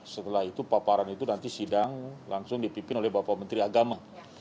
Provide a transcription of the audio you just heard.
setelah itu paparan itu nanti sidang langsung dipimpin oleh bapak menteri agama